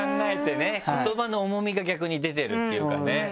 言葉の重みが逆に出てるっていうかね。